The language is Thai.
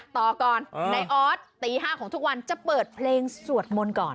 ต่อก่อนนายออสตี๕ของทุกวันจะเปิดเพลงสวดมนต์ก่อน